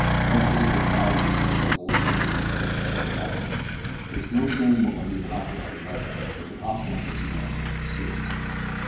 "Vell, sir," said Bob, with a spice of the `old country' insolence strong upon him, "there's no sayin' what might be accomplished with a heffort, but the consikences, you know, might be serious."